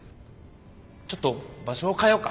ちょっと場所を変えようか。